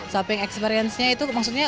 supping experience nya itu maksudnya